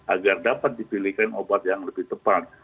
agar dapat dipilihkan obat yang lebih tepat